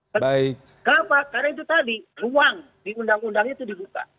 kenapa karena itu tadi ruang di undang undang itu dibuka